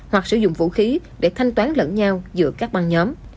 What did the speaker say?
hoặc sử dụng vũ khí để thanh toán lẫn nhau giữa các băng nhóm